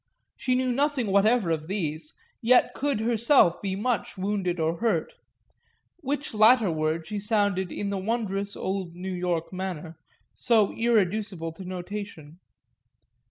She knew nothing whatever of these, yet could herself be much wounded or hurt which latter word she sounded in the wondrous old New York manner so irreducible to notation.